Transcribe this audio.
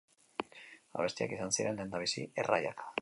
Abestiak izan ziren lehendabizi erraiak.